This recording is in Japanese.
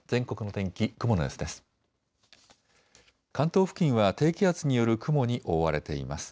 関東付近は低気圧による雲に覆われています。